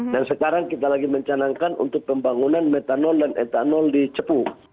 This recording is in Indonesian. dan sekarang kita lagi mencanangkan untuk pembangunan metanol dan etanol di cepu